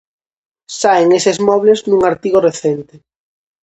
Saen eses mobles nun artigo recente.